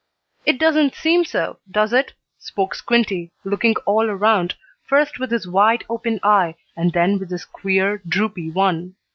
"It doesn't seem so, does it?" spoke Squinty, looking all around, first with his wide open eye, and then with his queer, droopy one.